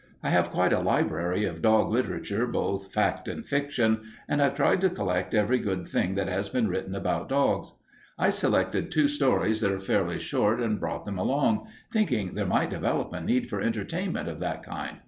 I have quite a library of dog literature, both fact and fiction, and I've tried to collect every good thing that has been written about dogs. I selected two stories that are fairly short and brought them along, thinking there might develop a need for entertainment of that kind.